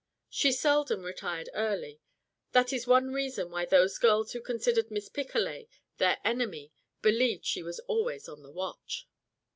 She seldom retired early; that is one reason why those girls who considered Miss Picolet their enemy believed she was always on the watch.